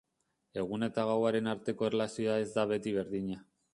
Eguna eta gauaren arteko erlazioa ez da beti berdina.